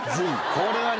これはね。